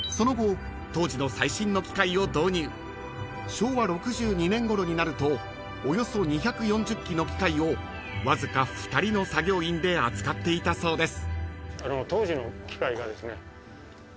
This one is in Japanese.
［昭和６２年ごろになるとおよそ２４０機の機械をわずか２人の作業員で扱っていたそうです］